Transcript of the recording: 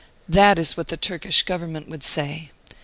That is what the Turkish Government would say.